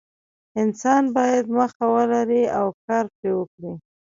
انسان باید موخه ولري او کار پرې وکړي.